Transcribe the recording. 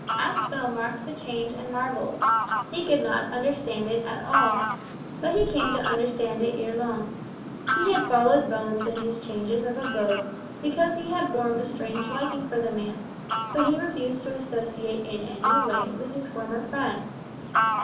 Aspel marked the change and marvelled. He could not understand it at all. But he came to understand it ere long. He had followed Bones in his changes of abode, because he had formed a strange liking for the man, but he refused to associate in any way with his former friends.